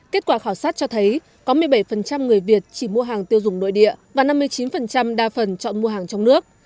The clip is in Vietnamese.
kết quả khảo sát cho thấy có một mươi bảy người việt chỉ mua hàng tiêu dùng nội địa và năm mươi chín đa phần chọn mua hàng trong nước